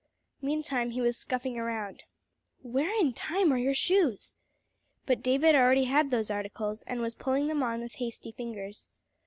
Meantime he was scuffing around. "Where in time are your shoes?" But David already had those articles, and was pulling them on with hasty fingers.